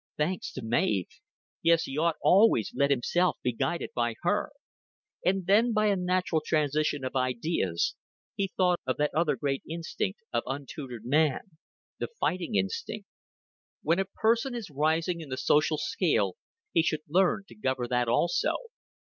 Thanks to Mav! Yes, he ought always let himself be guided by her. And then, by a natural transition of ideas, he thought of that other great instinct of untutored man the fighting instinct. When a person is rising in the social scale he should learn to govern that also.